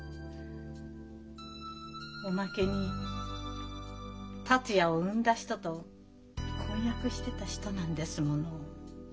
おまけに達也を産んだ人と婚約してた人なんですもの。